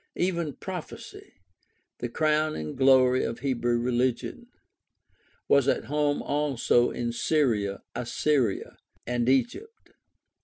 Even prophecy, the crown and glory of Hebrew religion, was at home also in Syria, Assyria, and Egypt.